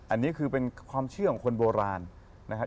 อันนี้คือเป็นความเชื่อของคนโบราณนะครับ